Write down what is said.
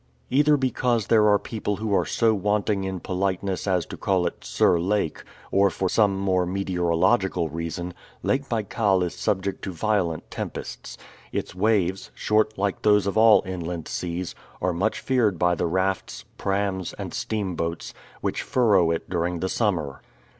Either because there are people who are so wanting in politeness as to call it "Sir Lake," or for some more meteorological reason, Lake Baikal is subject to violent tempests. Its waves, short like those of all inland seas, are much feared by the rafts, prahms, and steamboats, which furrow it during the summer.